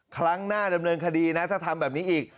ครั้งหน้าดำเนินคดีนะถ้าทำแบบนี้อีก